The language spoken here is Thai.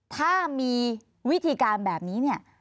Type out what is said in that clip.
ถ้ามีวิธีการแบบนี้เนี่ย